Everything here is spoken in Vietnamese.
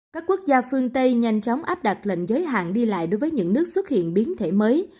các quốc gia phương tây nhanh chóng áp đặt lệnh giới hạn đi lại đối với những nước xuất hiện biến thể mới